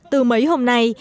từ mấy hôm nay